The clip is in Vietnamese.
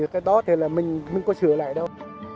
cái đó thì mình có sửa lại đâu